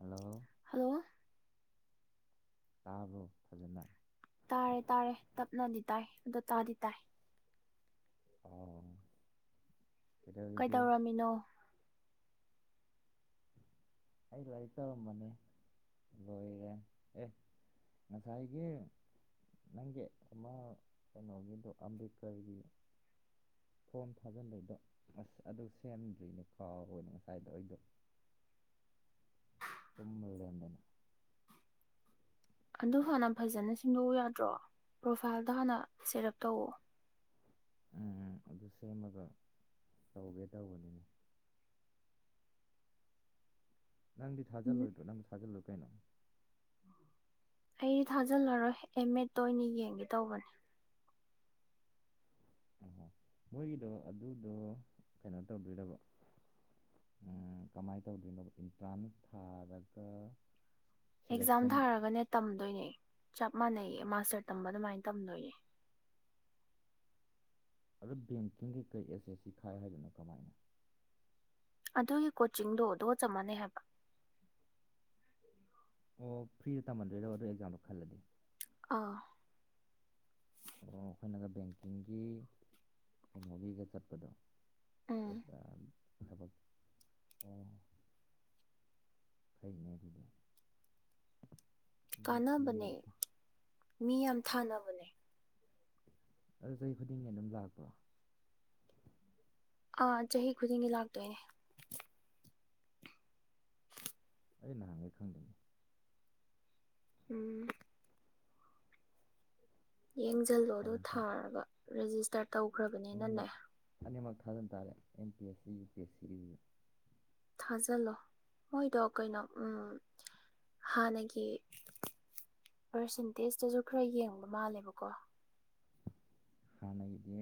Hello hello ꯇꯥꯕ꯭ꯔꯣ ꯐꯖꯟꯅ ꯇꯥꯔꯦ ꯇꯥꯔꯦ ꯇꯞꯅꯗꯤ ꯇꯥꯏ ꯑꯗꯣ ꯇꯥꯗꯤ ꯇꯥꯏ ꯑꯧ ꯀꯩꯗꯧꯔꯝꯃꯤꯅꯣ ꯑꯩ ꯂꯥꯏꯔꯤꯛ ꯇꯧꯔꯝꯕꯅꯦ ꯂꯣꯏꯔꯦ ꯑꯦ ꯉꯁꯥꯏꯒꯤ ꯅꯪꯒꯤ ꯑꯃ ꯀꯩꯅꯣꯒꯤꯗꯣ ꯑꯝꯕꯦꯠꯀꯔꯒꯤ ꯐꯣꯝ ꯊꯥꯖꯤꯟꯕꯩꯗꯣ ꯑꯁ ꯑꯗꯨ ꯁꯦꯝꯗ꯭ꯔꯤꯅꯦ ꯀꯥꯎꯔꯣꯏꯅ ꯉꯁꯥꯏꯗꯣ ꯑꯩꯗꯣ ꯇꯨꯝꯃꯒ ꯂꯩꯔꯃꯗꯅ ꯑꯗꯨ ꯍꯥꯟꯅ ꯐꯖꯅ ꯁꯤꯡꯗꯣꯛꯎ ꯌꯥꯗ꯭ꯔꯣ ꯄ꯭ꯔꯣꯐꯥꯏꯜꯗꯣ ꯍꯥꯟꯅ ꯁꯦꯠ ꯑꯞ ꯇꯧꯑꯣ ꯎꯝ ꯎꯝ ꯑꯗꯨ ꯁꯦꯝꯃꯒ ꯇꯧꯒꯦ ꯇꯧꯕꯅꯤ ꯅꯪꯗꯤ ꯊꯥꯖꯤꯜꯂꯣꯏꯗ꯭ꯔꯣ ꯅꯪꯖꯨ ꯊꯥꯖꯤꯜꯂꯣ ꯀꯩꯅꯣ ꯑꯩꯗꯤ ꯊꯥꯖꯤꯜꯂꯔꯣꯏ ꯑꯦꯝ ꯑꯦꯠꯇ ꯑꯣꯏꯅ ꯌꯦꯡꯒꯦ ꯇꯧꯕꯅꯦ ꯃꯣꯏꯒꯤꯗꯣ ꯑꯗꯨꯗꯣ ꯀꯩꯅꯣ ꯇꯧꯗꯣꯢꯔꯕ ꯀꯃꯥꯏ ꯇꯧꯗꯣꯏꯅꯣꯕ ꯑꯦꯟꯇ꯭ꯔꯥꯟꯁ ꯊꯥꯔꯒ ꯑꯦꯛꯖꯥꯝ ꯁꯦꯂꯦꯛꯁꯟ ꯊꯥꯔꯒꯅꯦ ꯇꯝꯗꯣꯏꯅꯦ ꯆꯞ ꯃꯥꯟꯅꯩꯌꯦ ꯃꯥꯁꯇꯔ ꯇꯝꯕ ꯑꯗꯨꯃꯥꯏꯅ ꯇꯝꯗꯣꯏꯅꯦ ꯑꯗꯨꯗ ꯕꯦꯡꯀꯤꯡꯒꯤ ꯀꯩ ꯑꯦꯁꯦꯁ ꯁꯤ ꯊꯥꯏ ꯍꯥꯏꯗꯗꯨꯅ ꯀꯃꯥꯏꯅ ꯑꯗꯨꯒꯤ ꯀꯣꯆꯤꯡꯗꯣ ꯑꯗꯨꯒ ꯆꯞ ꯃꯥꯟꯅꯩ ꯍꯥꯏꯕ ꯑꯣ ꯐ꯭ꯔꯤꯗ ꯇꯝꯍꯟꯗꯣꯏꯔꯣ ꯑꯗꯨꯢ ꯑꯦꯛꯖꯥꯝꯗꯣ ꯈꯜꯂꯗꯤ ꯑꯥ ꯑꯣ ꯑꯩꯈꯣꯏꯅꯒ ꯕꯦꯡꯀꯤꯡꯒꯤ ꯀꯩꯅꯣꯒꯤꯒ ꯆꯠꯄꯗꯣ ꯎꯝ [unintelligible] ꯊꯕꯛ ꯑꯣ ꯐꯩꯅꯦ ꯑꯗꯨꯗꯤ ꯑꯗꯨꯗꯤ ꯀꯥꯟꯅꯕꯅꯦ ꯃꯤ ꯌꯥꯝ ꯊꯥꯅꯕꯅꯦ ꯑꯗꯨ ꯆꯍꯤ ꯈꯨꯗꯤꯡꯒꯤ ꯑꯗꯨꯝ ꯂꯥꯛꯄ꯭ꯔꯣ ꯑꯥ ꯆꯍꯤ ꯈꯨꯗꯤꯡꯒꯤ ꯂꯥꯛꯇꯣꯏꯅꯦ ꯑꯩ ꯅꯍꯟꯒꯩ ꯈꯪꯗꯦꯅꯦ ꯎꯝ ꯌꯦꯡꯖꯤꯜꯂꯣ ꯑꯗꯨꯒ ꯊꯥꯖꯟ ꯇꯥꯔꯦ ꯊꯥꯔꯒ ꯔꯦꯖꯤꯁꯇꯔ ꯑꯅꯤꯃꯛ ꯇꯧꯈ꯭ꯔꯕꯅꯤꯅꯅꯦ ꯑꯅꯤꯃꯛ ꯊꯥꯖꯟ ꯇꯥꯔꯦ ꯑꯦꯝ ꯄꯤ ꯑꯦꯁ ꯁꯨ ꯌꯨ ꯄꯤ ꯑꯦꯁ ꯁꯤꯒꯤꯁꯨ ꯊꯥꯖꯤꯜꯂꯣ ꯃꯣꯏꯗꯣ ꯀꯩꯅꯣ ꯎꯝ ꯍꯥꯟꯅꯒꯤ ꯄꯔꯁꯦꯟꯇꯦꯖꯇꯁꯨ ꯈꯔ ꯌꯦꯡꯕ ꯃꯥꯜꯂꯦꯕꯀꯣ ꯍꯥꯟꯅꯒꯤꯗꯤ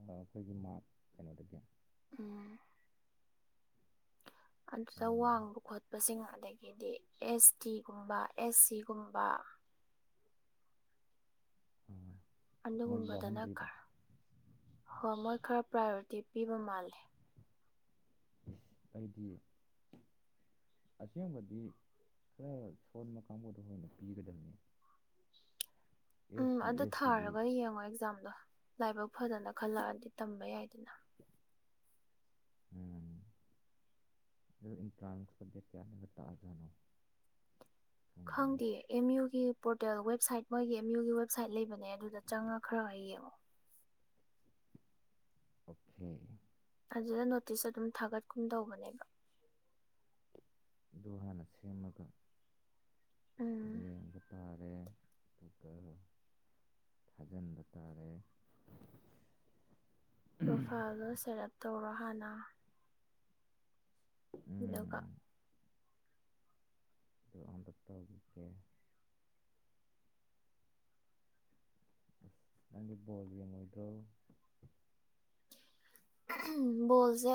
ꯑꯩꯈꯣꯏꯒꯤ ꯃꯥꯛ ꯀꯩꯅꯣꯗꯒꯤ ꯎꯝ ꯑ ꯑꯗꯨꯗ ꯋꯥꯡꯕ ꯈꯣꯠꯄꯁꯤꯡ ꯑꯗꯩꯒꯤꯗꯤ ꯑꯦꯁ ꯇꯤ ꯒꯨꯝꯕ ꯑꯦꯁ ꯁꯤ ꯒꯨꯝꯕ ꯎꯝ ꯑꯗꯨꯒꯨꯝꯕꯗꯅ ꯈꯔ ꯍꯣꯏ ꯃꯣꯏ ꯈꯔ ꯄ꯭ꯔꯥꯏꯌꯣꯔꯤꯇꯤ ꯄꯤꯕ ꯃꯥꯜꯂꯦ ꯑꯩꯗꯤ ꯑꯁꯦꯡꯕꯗꯤ ꯈꯔ ꯁꯣꯟꯕ ꯀꯥꯡꯕꯨꯗꯣ ꯑꯣꯢꯅ ꯄꯤꯒꯗꯕꯅꯤ ꯑꯦꯁ ꯎꯝ ꯗꯤ ꯑꯗꯨ ꯑꯦꯁ ꯁꯤꯗꯤ ꯊꯥꯔꯒ ꯌꯦꯡꯉꯣ ꯑꯦꯛꯖꯥꯝꯗꯣ ꯂꯥꯏꯕꯛ ꯐꯗꯅ ꯈꯜꯂꯛꯑꯗꯤ ꯇꯝꯕ ꯌꯥꯏꯗꯅ ꯎꯝ ꯗꯨ ꯏꯟꯇ꯭ꯔꯥꯟꯁ ꯀ ꯗꯦꯠ ꯀꯌꯥꯗ ꯇꯥꯖꯥꯠꯅꯣ ꯈꯪꯗꯦ ꯑꯦꯝ ꯌꯨꯒꯤ ꯄꯣꯔꯇꯦꯜ ꯋꯦꯕꯁꯥꯏꯠ ꯃꯣꯏꯒꯤ ꯑꯦꯝ ꯌꯨꯒꯤ ꯋꯦꯕꯁꯥꯏꯠ ꯂꯩꯕꯅꯦ ꯑꯗꯨꯗ ꯆꯪꯉꯒ ꯈꯔ ꯌꯦꯡꯉꯣ ꯑꯣꯛꯈꯦ ꯑꯗꯨꯗ ꯅꯣꯇꯤꯁ ꯑꯗꯨꯝ ꯊꯥꯒꯠꯀꯨꯝ ꯇꯧꯕꯅꯦꯕ ꯑꯗꯨ ꯍꯥꯟꯅ ꯁꯦꯝꯃꯒ ꯎꯝ ꯌꯦꯡꯕ ꯇꯥꯔꯦ ꯑꯗꯨꯒ ꯊꯥꯖꯤꯟꯕ ꯇꯥꯔꯦ ꯄ꯭ꯔꯣꯐꯥꯏꯜꯗꯣ ꯁꯦꯠ ꯑꯞ ꯇꯧꯔꯣ ꯍꯥꯟꯅ [inaudible] ꯑꯗꯨꯒ ꯑꯗꯨ ꯑꯝꯇ ꯇꯧꯔꯨꯒꯦ ꯅꯪꯗꯤ ꯕꯣꯜ ꯌꯦꯡꯉꯣꯏꯗ꯭ꯔꯣ ꯕꯣꯜꯖꯦ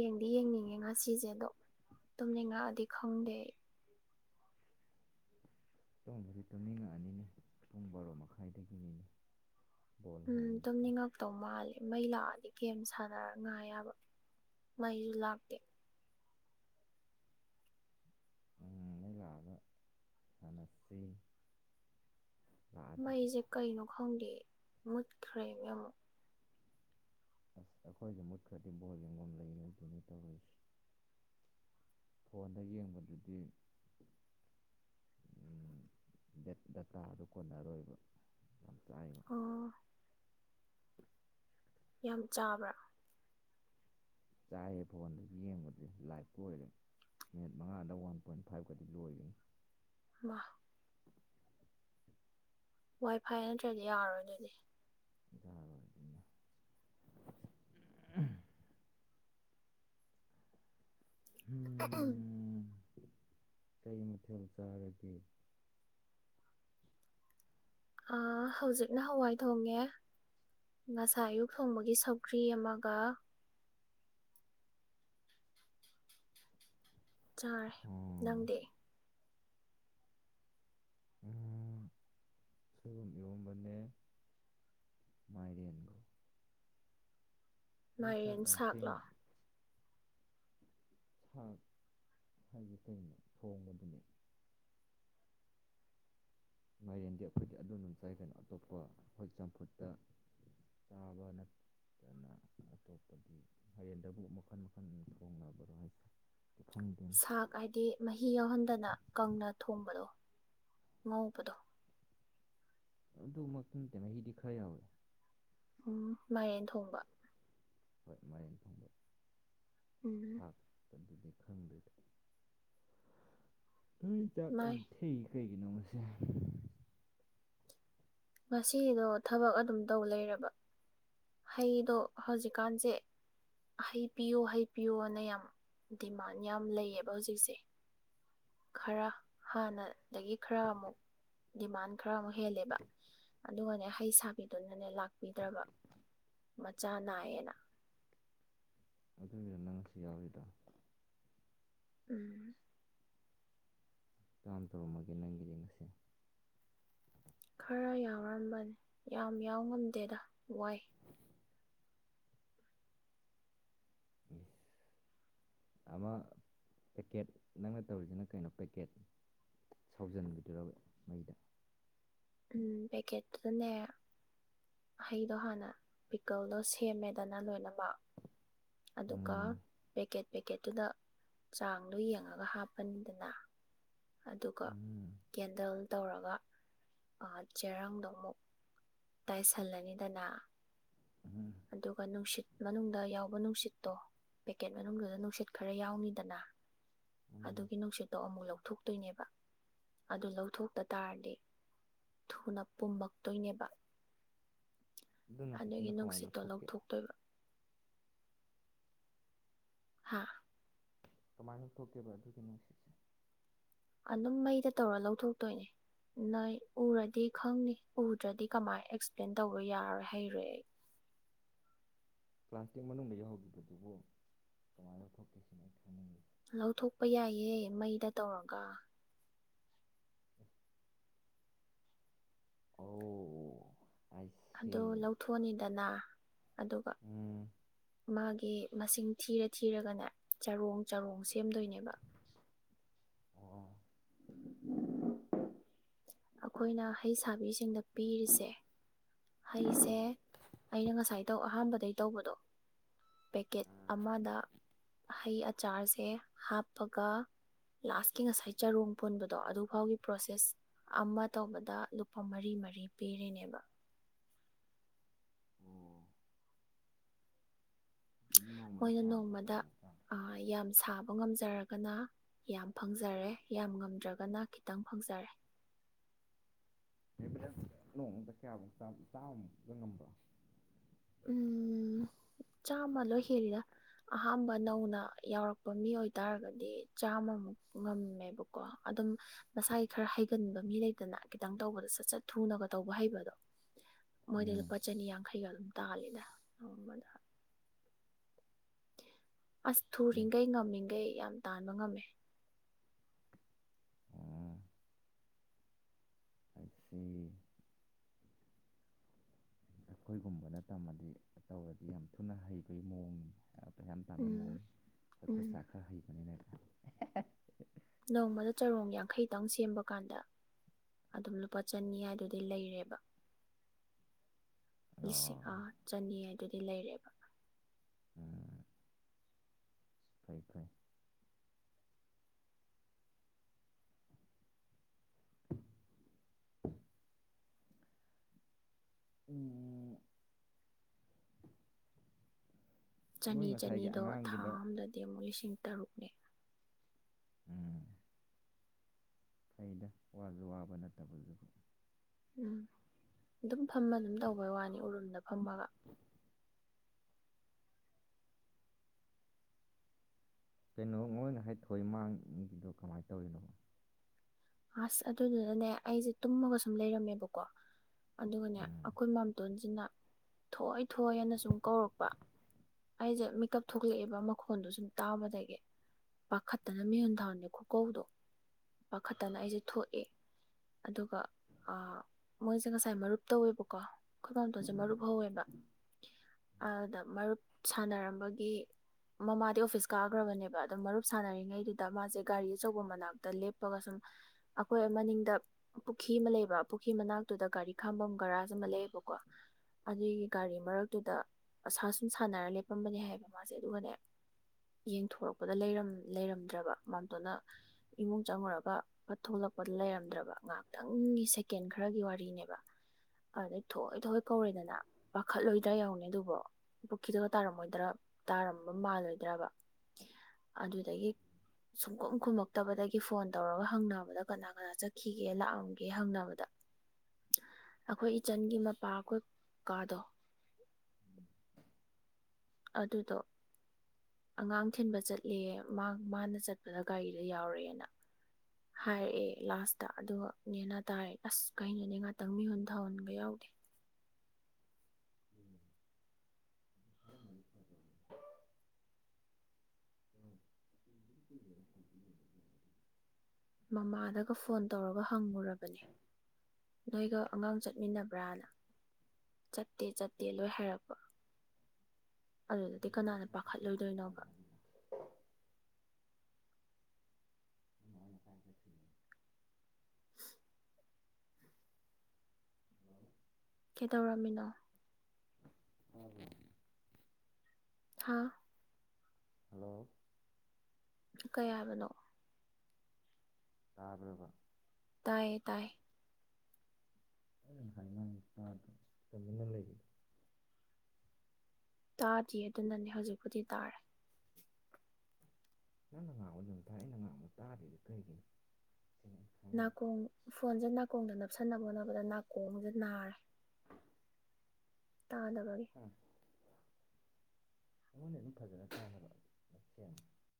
ꯌꯦꯡꯗꯤ ꯌꯦꯡꯅꯤꯡꯉꯦ ꯉꯥꯁꯤꯖꯦ ꯗꯣ ꯇꯨꯝꯅꯤꯡꯉꯛꯑꯗꯤ ꯈꯪꯗꯦ ꯑꯩ ꯇꯨꯝꯕꯨꯗꯤ ꯇꯨꯝꯅꯤꯡꯉꯛꯑꯅꯤꯅꯦ ꯄꯨꯡ ꯕꯥꯔꯣ ꯃꯈꯥꯏꯗꯒꯤꯅꯤ ꯎꯝ ꯇꯝꯅꯤꯡꯉꯛ ꯥ ꯇꯧ ꯃꯥꯜꯂꯦ ꯃꯩ ꯂꯥꯛꯑꯗꯤ ꯒꯦꯝ ꯁꯥꯟꯅꯔꯒ ꯉꯥꯢ ꯌꯥꯕ ꯃꯩꯁꯨ ꯂꯥꯛꯇꯦ ꯎꯝ ꯃꯩ ꯂꯥꯛꯑꯒ ꯁꯥꯟꯅꯁꯦ ꯃꯩꯖꯦ ꯀꯩꯅꯣ ꯈꯪꯗꯦ ꯃꯨꯠꯈ꯭ꯔꯦꯅꯦ ꯑꯃꯨꯛ ꯑꯁ ꯑꯩꯈꯣꯏꯖꯨ ꯃꯨꯠꯈ꯭ꯔꯗꯤ ꯕꯣꯜ ꯌꯦꯡꯕꯝ ꯂꯩꯔꯣꯏꯗꯣꯏꯅꯤ ꯇꯧꯔꯤꯁꯦ ꯐꯣꯟꯗ ꯌꯦꯡꯕꯗꯨꯗꯤ ꯎꯝ ꯗꯦꯠ ꯗꯇꯥꯗꯣ ꯀꯣꯟꯅꯔꯣꯏꯕ ꯌꯥꯝ ꯆꯥꯏꯌꯦꯕ ꯑꯣ ꯌꯥꯝ ꯆꯥꯕ꯭ꯔꯥ ꯆꯥꯏꯌꯦ ꯐꯣꯟꯗꯁꯨ ꯌꯦꯡꯕꯖꯦ ꯂꯥꯏꯞꯀ ꯑꯣꯏꯔꯦ ꯃꯤꯅꯤꯠ ꯃꯉꯥꯗ ꯋꯥꯟ ꯄꯣꯏꯟ ꯐꯥꯏꯞꯀꯗꯤ ꯂꯣꯏꯕꯤꯅꯦ ꯃꯥ ꯋꯥꯏꯐꯥꯏ ꯅꯠꯇ꯭ꯔꯗꯤ ꯌꯥꯔꯣꯏ ꯗꯨꯗꯤ [unintelligible] [unintelligible] ꯎꯝ ꯎꯝ ꯀꯩ ꯃꯊꯦꯜ ꯆꯥꯔꯒꯦ ꯑ ꯍꯧꯖꯤꯛꯅ ꯍꯋꯥꯏ ꯊꯣꯡꯉꯦ ꯉꯁꯥꯏ ꯑꯌꯨꯛ ꯊꯣꯡꯕꯒꯤ ꯁꯧꯒ꯭ꯔꯤ ꯑꯃꯒ ꯆꯥꯔꯦ ꯑꯣ ꯅꯪꯗꯤ ꯎꯝ ꯁꯣꯏꯕꯨꯝ ꯏꯔꯣꯝꯕꯅꯦ ꯃꯥꯏꯔꯦꯟꯒ ꯅꯣꯏ ꯆꯥꯛ ꯃꯥꯏꯔꯦꯟ ꯌꯥꯝ ꯊꯦꯡ ꯁꯥꯛꯂꯣ ꯁꯥꯛ ꯍꯥꯏꯗꯤ ꯀꯩꯅꯣ ꯊꯣꯡꯕꯗꯨꯅꯦ ꯃꯥꯏꯔꯦꯟꯗꯤ ꯑꯩꯈꯣꯏꯗꯤ ꯑꯗꯨꯗꯨꯝ ꯆꯥꯏꯀꯩꯅꯣ ꯑꯇꯣꯞꯄ ꯍꯣꯏ ꯆꯝꯐꯨꯠꯇ ꯆꯥꯕ ꯅꯠ ꯗꯨꯅ ꯑꯇꯣꯞꯄꯗꯤ ꯍꯥꯏꯗꯤ ꯗꯕꯨ ꯃꯈꯟ ꯃꯈꯟ ꯊꯣꯡꯅꯕꯔꯣ ꯍꯥꯏꯖꯦ ꯈꯪꯗꯦ ꯁꯥꯛ ꯍꯥꯏꯗꯤ ꯃꯍꯤ ꯌꯥꯎꯍꯟꯗꯅ ꯀꯪꯅ ꯊꯣꯡꯕꯗꯣ ꯉꯧꯕꯗꯣ ꯑꯗꯨꯃꯛꯇꯤꯡ ꯇꯦꯅꯩꯒꯤꯗꯤ ꯈꯔ ꯌꯥꯎꯌꯦ ꯎꯝ ꯃꯥꯏꯔꯦꯟ ꯊꯣꯡꯕ ꯍꯣꯏ ꯃꯥꯏꯔꯦꯟ ꯊꯣꯡꯕ꯫ ꯎꯝ ꯁꯥꯛ ꯀꯗꯨꯗꯤ ꯈꯪꯗꯦꯗꯥ [unintelligible] ꯆꯥꯛ ꯃꯥꯏ ꯌꯥꯝ ꯊꯦꯡ ꯊꯦꯡꯉꯤ ꯀꯩꯒꯤꯅꯣ ꯉꯁꯤ ꯉꯁꯤꯗꯣ ꯊꯕꯛ ꯑꯗꯨꯝ ꯇꯧ ꯂꯩꯔꯕ ꯍꯩꯗꯣ ꯍꯧꯖꯤꯛꯀꯥꯟꯁꯦ ꯍꯩꯄꯤꯌꯣ ꯍꯩꯄꯤꯌꯣꯅ ꯌꯥꯝ ꯗꯤꯃꯥꯟ ꯌꯥꯝ ꯂꯩꯌꯦꯕ ꯍꯧꯖꯤꯛꯁꯦ꯫ ꯈꯔ ꯍꯥꯟꯅ ꯗꯒꯤ ꯈꯔ ꯑꯃꯨꯛ ꯗꯤꯃꯥꯟ ꯈꯔ ꯑꯃꯨꯛ ꯍꯦꯜꯂꯦꯕ ꯑꯗꯨꯒꯅꯦ ꯍꯩ ꯁꯥꯕꯤꯗꯨꯅꯅꯦ ꯂꯥꯛꯄꯤꯗ꯭ꯔꯕ ꯃꯆꯥ ꯅꯥꯏꯌꯦꯅ ꯑꯗꯨꯒꯤꯔ ꯅꯪ ꯉꯁꯤ ꯌꯥꯎꯔꯤꯗꯣ ꯎꯝ꯫ ꯇꯥꯝ ꯇꯧꯔꯝꯃꯒꯦ ꯅꯪꯒꯤꯗꯤ ꯉꯁꯤ ꯈꯔ ꯌꯥꯎꯔꯝꯕꯅꯦ ꯌꯥꯝ ꯌꯥꯎ ꯉꯝꯗꯦꯗ ꯋꯥꯏ ꯏꯑꯦ ꯑꯃ ꯄꯦꯛꯀꯦꯠ ꯅꯪꯅ ꯇꯧꯔꯤꯁꯤꯅ ꯀꯩꯅꯣ ꯄꯦꯛꯀꯦꯠ꯫ ꯁꯥꯎꯖꯟꯕꯤꯗꯨꯔꯕ ꯃꯩꯗ꯫ ꯎꯝ ꯄꯦꯛꯀꯦꯠꯇꯨꯗꯅꯦ꯫ ꯍꯩꯗꯣ ꯍꯥꯟꯅ ꯄꯤꯛꯀꯜꯗꯣ ꯁꯦꯝꯃꯦꯗꯅ ꯂꯣꯏꯅꯃꯛ꯫ ꯑꯗꯨꯒ ꯎꯝ ꯄꯦꯛꯀꯦꯠ ꯄꯦꯛꯀꯦꯠꯇꯨꯗ ꯆꯥꯡꯗꯣ ꯌꯦꯡꯉꯒ ꯍꯥꯞꯄꯅꯤꯗꯅ ꯑꯗꯨꯒ ꯎꯝ ꯀꯦꯟꯗꯜ ꯇꯧꯔꯒ ꯑꯥ ꯆꯦꯔꯪꯗꯣ ꯑꯃꯨꯛ ꯇꯥꯏꯁꯜꯂꯅꯤꯗꯅ ꯎꯝ ꯑꯗꯨꯒ ꯅꯨꯡꯁꯤꯠ ꯃꯅꯨꯡꯗ ꯌꯥꯎꯕ ꯅꯨꯡꯁꯤꯠꯇꯣ ꯄꯦꯛꯀꯦꯠ ꯃꯅꯨꯡꯗꯨꯗ ꯅꯨꯡꯁꯤꯠ ꯈꯔ ꯌꯥꯎꯅꯤꯗꯅꯥ ꯎꯝ ꯑꯗꯨꯒꯤ ꯅꯨꯡꯁꯤꯠꯇꯣ ꯑꯃꯨꯛ ꯂꯧꯊꯣꯛꯇꯨꯏꯅꯦꯕ ꯑꯗꯨ ꯂꯧꯊꯣꯛꯇ ꯇꯥꯔꯗꯤ꯫ ꯊꯨꯅ ꯄꯨꯝꯃꯛꯇꯣꯏꯅꯦꯕ ꯑꯗꯨ ꯑꯗꯨꯒꯤ ꯅꯨꯡꯁꯤꯠꯇꯨꯅ ꯀꯃꯥꯏꯅ ꯅꯨꯡꯁꯤꯠꯇꯣ ꯂꯧꯊꯣꯛꯀꯦ ꯂꯧꯊꯣꯛꯇꯣꯏꯕ ꯍꯥ ꯀꯃꯥꯏꯅ ꯊꯣꯛꯀꯦꯕ ꯑꯗꯨꯒꯤ ꯅꯨꯡꯁꯤꯠꯁꯦ꯫ ꯑꯗꯨꯝ ꯃꯩꯗ ꯇꯧꯔ ꯂꯧꯊꯣꯛꯇꯣꯏꯅꯦ ꯅꯣꯏ ꯎꯔꯗꯤ ꯈꯪꯅꯤ ꯎꯗ꯭ꯔꯗꯤ ꯀꯃꯥꯏꯅ ꯑꯦꯛꯁꯄ꯭ꯂꯦꯟ ꯇꯧꯕ ꯌꯥꯔꯣꯏ ꯍꯩꯔꯣꯏ ꯑꯩ ꯄ꯭ꯂꯥꯁꯇꯤꯛ ꯃꯅꯨꯡꯗ ꯌꯥꯎꯒꯤꯕꯗꯨꯕꯨ ꯀꯃꯥꯏꯅ ꯂꯧꯊꯣꯛꯀꯦ ꯁꯤꯅꯦ ꯑꯩ ꯈꯪꯅꯤꯡꯉꯤꯁꯦ ꯂꯧꯊꯣꯛꯄ ꯌꯥꯏꯌꯦ ꯃꯩꯗ ꯇꯧꯔꯒ ꯑꯣ ꯑꯥꯏ ꯑꯗꯣ ꯁꯤ ꯂꯧꯊꯣꯛꯑꯅꯤꯗꯅ ꯑꯗꯨꯒ ꯎꯝ ꯃꯥꯒꯤ ꯃꯁꯤꯡ ꯊꯤꯔ ꯊꯤꯔꯒꯅꯦ ꯆꯔꯣꯡ ꯆꯔꯣꯡ ꯁꯦꯝꯗꯣꯏꯅꯦꯕ ꯑꯣ ꯑꯩꯈꯣꯏꯅ ꯍꯩꯁꯥꯕꯤꯁꯤꯡꯗ ꯄꯤꯔꯤꯁꯦ ꯍꯩꯁꯦ ꯑꯩꯅ ꯉꯁꯥꯏ ꯇꯧ ꯑꯍꯥꯟꯕꯗꯩ ꯇꯧꯕꯗꯣ ꯄꯦꯀꯦꯠ ꯑꯃꯗ ꯍꯩ ꯑꯆꯥꯔꯁꯦ ꯍꯥꯞꯄꯒ ꯂꯥꯁꯀꯤ ꯉꯁꯥꯏ ꯆꯔꯣꯡ ꯄꯨꯣꯟꯕꯗꯣ ꯑꯗꯨꯐꯥꯎꯒꯤ ꯄ꯭ꯔꯣꯁꯦꯁ ꯑꯃ ꯇꯧꯕꯗ ꯂꯨꯄꯥ ꯃꯔꯤ ꯃꯔꯤ ꯄꯤꯔꯤꯅꯦꯕ ꯎꯝ ꯑꯗꯨꯗꯤ ꯅꯣꯡꯃꯗ ꯃꯣꯏꯅ ꯀꯌꯥꯃꯨꯛꯀ ꯅꯣꯡꯃꯗ ꯇꯧꯕꯖꯥꯠꯅꯣ ꯑꯥ ꯌꯥꯝ ꯁꯥ ꯐꯕ ꯉꯝꯖꯔꯒꯅ ꯌꯥꯝ ꯐꯪꯖꯔꯦ ꯌꯥꯝ ꯉꯝꯗ꯭ꯔꯒꯅ ꯈꯤꯇꯪ ꯐꯪꯖꯔꯦ [unintelligible] ꯅꯣꯡꯃꯗ ꯀꯌꯥꯃꯨꯛ ꯇꯥꯟꯕ ꯆꯥꯝꯃꯃꯨꯛ ꯄꯤꯕ ꯉꯝꯕ꯭ꯔꯣ ꯎꯝ ꯆꯥꯝꯃ ꯂꯣꯏ ꯍꯦꯜꯂꯤꯗ ꯑꯍꯥꯝꯕ ꯅꯧꯅ ꯌꯥꯎꯔꯛꯄ ꯃꯤ ꯑꯣꯏꯇꯥꯔꯒꯗꯤ ꯆꯥꯝꯃꯃꯨꯛ ꯉꯝꯃꯦꯕꯀꯣ ꯑꯗꯨꯝ ꯃꯁꯥꯒꯤ ꯈꯔ ꯍꯩꯒꯟꯕ ꯃꯤ ꯂꯩꯇꯅ ꯈꯤꯇꯪ ꯇꯧꯕꯗꯣ ꯆꯠ ꯆꯠ ꯊꯨꯅꯒ ꯇꯧꯕ ꯍꯩꯕꯗꯣ ꯃꯣꯏꯗ ꯎꯝ ꯂꯨꯄꯥ ꯆꯅꯤ ꯌꯥꯡꯈꯩꯒ ꯑꯗꯨꯝ ꯇꯥꯂꯤꯗ ꯑꯁ ꯑꯦ ꯊꯨꯔꯤꯈꯩ ꯉꯝꯃꯤꯈꯩ ꯌꯥꯝ ꯇꯥꯟꯕ ꯉꯝꯃꯦ ꯑꯣ ꯑꯥꯏꯁꯤ ꯑꯩꯈꯣꯏꯒꯨꯝꯕꯅ ꯇꯝꯃꯗꯤ ꯇꯧꯔꯗꯤ ꯌꯥꯝ ꯊꯨꯅ ꯍꯩꯕꯒꯤ ꯃꯑꯣꯡꯅꯤ ꯄꯩꯁꯥ ꯌꯥꯝ ꯇꯥꯟꯕꯩ ꯎꯝ ꯃꯑꯣꯡ ꯑꯩ ꯎꯝ ꯈꯨꯠꯁ ꯈꯔ ꯍꯩꯕꯅꯤꯅꯕ ꯅꯣꯡꯃꯗ ꯆꯔꯣꯡ ꯌꯥꯡꯈꯩꯗꯪ ꯁꯦꯝꯕ ꯀꯥꯟꯗ ꯑꯗꯨꯝ ꯂꯨꯄꯥ ꯆꯅꯤ ꯍꯥꯏꯗꯨꯗꯤ ꯂꯩꯔꯦꯕ ꯂꯤꯁꯤꯡ ꯑꯣ ꯑ ꯆꯅꯤ ꯍꯥꯏ ꯑꯗꯨꯗꯤ ꯂꯩꯔꯦꯕ ꯑ ꯐꯩ ꯐꯩ [unintelligible] ꯎꯝ ꯆꯅꯤ ꯅꯣꯏ ꯉꯁꯥꯏꯒꯤ ꯆꯅꯤꯗꯣ ꯊꯥ ꯑꯉꯥꯡꯒꯤꯗꯣ ꯑꯝꯗꯗꯤ ꯑꯃꯨꯛ ꯂꯤꯁꯤꯡ ꯇꯔꯨꯛ ꯎꯝ ꯐꯩꯗ ꯋꯥꯁꯨ ꯋꯥꯕ ꯅꯠꯇꯕꯁꯤꯕꯨ ꯎꯝ ꯑꯗꯨꯝ ꯐꯝꯃ ꯑꯗꯨꯝ ꯇꯧꯕꯩ ꯋꯥꯅꯤ ꯎꯔꯨꯝꯗ ꯐꯝꯃꯒ [unintelligible] ꯀꯩꯅꯣ ꯃꯣꯏ ꯉꯁꯥꯏ ꯊꯣꯏ ꯃꯥꯡꯈꯤꯕꯗꯣ ꯀꯃꯥꯏꯅ ꯇꯧꯔꯤꯅꯣ ꯑꯁ ꯑꯗꯨꯗꯨꯅꯅꯦ ꯑꯩꯁꯦ ꯇꯨꯝꯃꯒ ꯁꯨꯝ ꯂꯩꯔꯝꯃꯦꯕꯀꯣ ꯑꯗꯨꯒꯅꯦ ꯎꯝ ꯑꯩꯈꯣꯏ ꯃꯥꯝꯇꯣꯟꯁꯤꯅ ꯊꯣꯏ ꯊꯣꯏ ꯍꯥꯏꯅ ꯁꯨꯝ ꯀꯧꯔꯛꯄ ꯑꯩꯁꯦ ꯃꯦꯀꯞ ꯊꯣꯛꯂꯛꯑꯦꯕ ꯃꯈꯣꯟꯗꯣ ꯁꯨꯝ ꯇꯥꯕꯗꯒꯤ ꯄꯥꯈꯠꯇꯅ ꯃꯤꯍꯨꯟ ꯊꯥꯍꯨꯟ ꯈꯨꯀꯧꯗꯣ ꯄꯈꯛꯇꯅ ꯑꯩꯁꯦ ꯊꯣꯛꯑꯦ ꯑꯗꯨꯒ ꯑ ꯃꯣꯏꯁꯦ ꯉꯁꯥꯏ ꯃꯔꯨꯞ ꯇꯧꯋꯦꯕꯀꯣ ꯑꯩꯈꯣꯏꯕꯥꯇꯣꯟꯁꯦ ꯃꯔꯨꯞ ꯍꯧꯋꯦꯕ ꯑꯗ ꯃꯔꯨꯞ ꯁꯥꯟꯅꯔꯝꯕꯒꯤ ꯃꯃꯥꯗꯤ ꯑꯣꯐꯤꯁ ꯀꯥꯈ꯭ꯔꯕꯅꯦꯕ ꯑꯗꯣ ꯃꯔꯨꯞ ꯁꯥꯟꯅꯔꯤꯉꯩꯗꯨꯗ ꯃꯥꯁꯦ ꯒꯥꯔꯤ ꯑꯆꯧꯕ ꯃꯅꯥꯛꯇ ꯂꯦꯞ ꯂꯦꯞꯄꯒ ꯁꯨꯝ ꯑꯩꯈꯣꯏ ꯃꯅꯤꯡꯗ ꯄꯨꯈ꯭ꯔꯤ ꯑꯃ ꯂꯩꯕ ꯄꯨꯈ꯭ꯔꯤ ꯃꯅꯥꯛꯇꯨꯗ ꯒꯥꯔꯤ ꯈꯥꯝꯕꯝ ꯒꯔꯥꯥꯁ ꯑꯃ ꯂꯩꯌꯦꯕꯀꯣ ꯑꯗꯨꯒꯤ ꯒꯥꯔꯤ ꯃꯔꯛꯇꯨꯗ ꯑꯁꯥ ꯁꯨꯝ ꯁꯥꯟꯅꯔ ꯂꯦꯞꯄꯝꯕꯅꯦ ꯍꯥꯏꯕ ꯃꯥꯁꯦ ꯑꯗꯨꯒꯅꯦ ꯌꯦꯡꯊꯣꯔꯛꯄꯗ ꯂꯩꯔꯝꯗ꯭ꯔꯕ ꯃꯝꯇꯣꯟꯅ ꯏꯃꯨꯡ ꯆꯪꯉꯨꯔꯒ ꯐꯠ ꯊꯣꯛꯂꯛꯄꯗ ꯂꯩꯔꯝꯗ꯭ꯔꯕ ꯉꯥꯏꯍꯥꯛꯇꯪꯒꯤ ꯁꯦꯀꯦꯟ ꯈꯔꯒꯤ ꯋꯥꯔꯤꯅꯦꯕ ꯑꯗꯩ ꯊꯣꯏ ꯊꯣꯏ ꯀꯧꯔꯦꯗꯅ ꯄꯥꯈꯠꯂꯣꯏꯗ꯭ꯔ ꯌꯦꯡꯎꯅꯦ ꯑꯗꯨꯕꯣ ꯄꯨꯈ꯭ꯔꯤꯗꯨꯒ ꯇꯥꯔꯝꯃꯣꯏꯗ꯭ꯔꯥ ꯇꯥꯔꯝꯕ ꯃꯥꯜꯂꯣꯏꯗ꯭ꯔꯕ ꯑꯗꯨꯗꯒꯤ ꯁꯨꯡꯀꯨꯝ ꯈꯨꯝꯃꯛꯇꯕꯗꯒꯤ ꯐꯣꯟ ꯇꯧꯔꯒ ꯍꯪꯅꯕꯗ ꯀꯅꯥ ꯀꯅꯥ ꯆꯠꯈꯤꯒꯦ ꯂꯥꯛꯑꯝꯒꯦ ꯍꯪꯅꯕꯗ ꯑꯩꯈꯣꯏ ꯏꯆꯟꯒꯤ ꯃꯄꯥ ꯑꯩꯈꯣꯏ ꯀꯥꯗꯣ [unintelligible] ꯑꯗꯨꯗꯣ ꯑꯉꯥꯡ ꯊꯤꯟꯕ ꯆꯠꯂꯦ ꯃꯥꯅ ꯆꯠꯄꯗ ꯒꯥꯔꯤꯗ ꯌꯥꯎꯔꯛꯑꯦꯅ ꯍꯥꯏꯔꯛꯑꯦ ꯂꯥꯁꯇ ꯑꯗꯨꯒꯅꯦꯅ ꯇꯥꯔꯦ ꯑꯁ ꯀꯩꯅꯣꯅꯦ ꯉꯥꯛꯇꯪ ꯃꯤꯍꯨꯟ ꯊꯧꯍꯟꯕ ꯌꯥꯎꯗꯦ [unintelligible] [unintelligible] ꯃꯃꯥꯗꯒ ꯐꯣꯟ ꯇꯧꯔꯒ ꯍꯪꯂꯉꯨꯔꯕꯅꯦ ꯅꯣꯏꯒ ꯑꯉꯥꯡ ꯆꯠꯃꯤꯟꯅꯕ꯭ꯔꯅ ꯆꯠꯇꯦ ꯆꯠꯇꯦ ꯂꯣꯏ ꯍꯥꯏꯔꯛꯄ ꯑꯗꯨꯗꯗꯤ ꯀꯅꯥꯅ ꯄꯥꯈꯠꯂꯣꯏꯗꯣꯏꯅꯣꯕ [unintelligible] ꯎꯝ ꯀꯩꯗꯧꯔꯝꯃꯤꯅꯣ ꯇꯥꯕꯔꯣ ꯍꯥꯥꯎ ꯍꯜꯂꯣ ꯀꯩ ꯍꯥꯏꯕꯅꯣ ꯇꯥꯕ꯭ꯔꯕꯥ ꯇꯥꯏꯌꯦ ꯇꯥꯏꯌꯦ ꯑꯩꯅ ꯉꯥꯁꯥꯏꯅꯥ ꯉꯡꯉꯤꯖꯦ ꯇꯗꯔꯣ ꯇꯨꯃꯤꯟꯅ ꯂꯩꯒꯤꯗꯣ ꯇꯥꯗꯤꯌꯦ ꯑꯗꯨꯅꯅꯦ ꯍꯧꯖꯤꯛꯄꯨꯗꯤ ꯇꯥꯔꯦ ꯅꯪꯅ ꯉꯥꯡꯕ ꯑꯗꯨꯝ ꯇꯥꯏꯌꯦ ꯑꯩꯅ ꯉꯥꯡꯕ ꯇꯥꯗꯤꯗꯤ ꯀꯩꯒꯤꯅꯣ ꯑꯩ ꯅꯥꯀꯣꯡ ꯐꯣꯟꯖꯦ ꯅꯥꯀꯣꯡꯗ ꯅꯞꯁꯟꯅꯕ ꯍꯣꯠꯅꯕꯗ ꯅꯥꯀꯣꯡꯒꯖꯦ ꯅꯥꯔꯦ ꯇꯥꯗꯕꯒꯤ ꯎꯝ ꯑꯩꯉꯣꯟꯗ ꯑꯗꯨꯝ ꯐꯖꯅ ꯇꯥꯏꯕ ꯍꯥꯏꯕꯥ ꯃꯌꯦꯛ ꯁꯦꯡꯅ